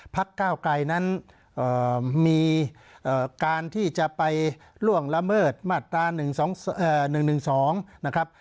ก้าวไกรนั้นมีการที่จะไปล่วงละเมิดมาตรา๑๑๒นะครับ